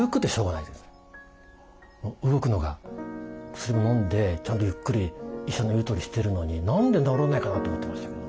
薬も飲んでちゃんとゆっくり医者の言うとおりしてるのに何で治らないかなと思ってましたけどね。